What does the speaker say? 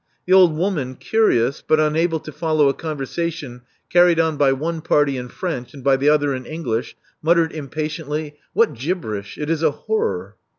The old woman, curious, but unable to follow a conversation carried on by one party in French and by the other in English, muttered impatiently, '*What gibberish! It is a horror."